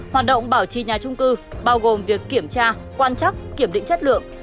hoạt động bảo trì nhà trung cư bao gồm việc kiểm tra quan chắc kiểm định chất lượng